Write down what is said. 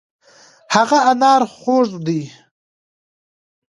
هغه انار خوږ دی.